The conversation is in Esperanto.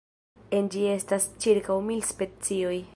En ĝi estas ĉirkaŭ mil specioj.